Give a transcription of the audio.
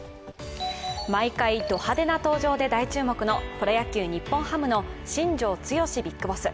毎回、ド派手な登場で大注目の、プロ野球・日本ハムの新庄剛志